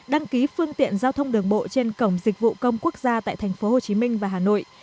đăng ký phương tiện giao thông đường bộ trên cổng dịch vụ công quốc gia tại tp hcm và hà nội